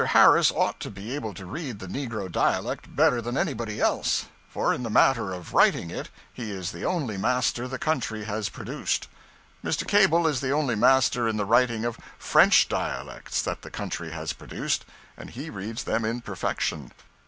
Harris ought to be able to read the negro dialect better than anybody else, for in the matter of writing it he is the only master the country has produced. Mr. Cable is the only master in the writing of French dialects that the country has produced; and he reads them in perfection.